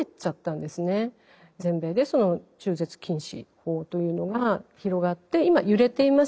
全米で中絶禁止法というのが広がって今揺れています。